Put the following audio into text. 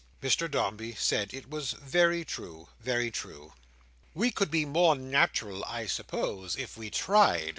Mr Dombey said it was very true, very true. "We could be more natural I suppose if we tried?"